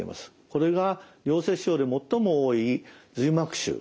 これが良性腫瘍で最も多い髄膜腫です。